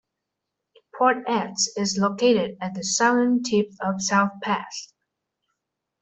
Port Eads is located at the southern tip of South Pass.